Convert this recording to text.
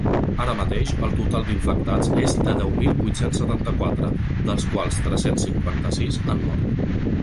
Ara mateix, el total d’infectats és de deu mil vuit-cents setanta-quatre, dels quals tres-cents cinquanta-sis han mort.